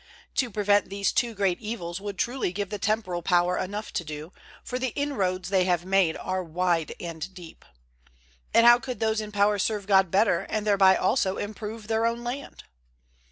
To prevent these two great evils would truly give the temporal power enough to do, for the inroads they have made are wide and deep. And how could those in power serve God better and thereby also improve their own land?